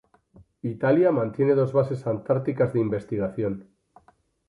Italia mantiene dos bases antárticas de investigación.